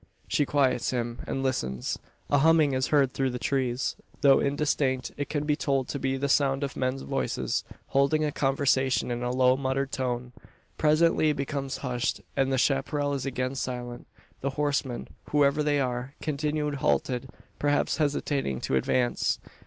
She quiets him, and listens. A humming is heard through the trees. Though indistinct, it can be told to be the sound of men's voices holding a conversation in a low muttered tone. Presently it becomes hushed, and the chapparal is again silent. The horsemen, whoever they are, continue halted perhaps hesitating to advance.